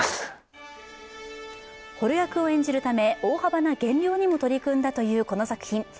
捕虜役を演じるため大幅な減量にも取り組んだという、この作品。